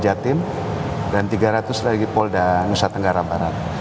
jatim dan tiga ratus lagi polda nusa tenggara barat